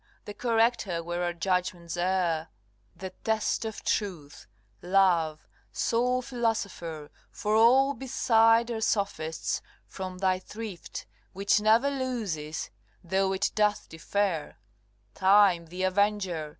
the corrector where our judgments err, The test of truth, love, sole philosopher, For all beside are sophists, from thy thrift, Which never loses though it doth defer Time, the avenger!